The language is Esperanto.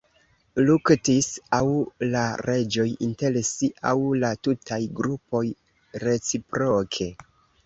Luktis aŭ la reĝoj inter si aŭ la tutaj grupoj reciproke.